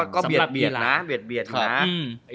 ก็เบียดนะ